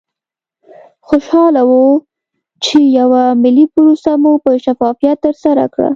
خوشحاله وو چې یوه ملي پروسه مو په شفافیت ترسره کړه.